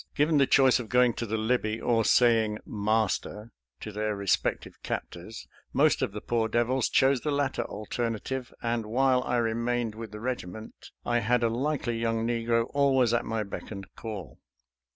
Given the choice of going to the Libby or saying "master" to their respective captors, most of the poor devils chose the latter alternative, and while I remained with the regiment I had a likely young negro always at my beck and call.